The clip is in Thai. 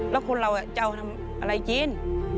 แล้วคนเราจะเอาทำอะไรกิน